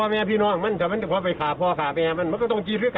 ว่ามันเก่งให้ไหมลูก